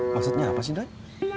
maksudnya apa sih dan